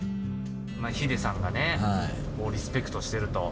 ヒデさんがね、をリスペクトしていると。